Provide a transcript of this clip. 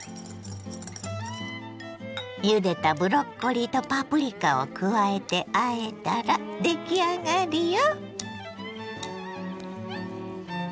ゆでたブロッコリーとパプリカを加えてあえたら出来上がりよ。